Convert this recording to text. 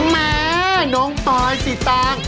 แหมน้องปลอยสิตาง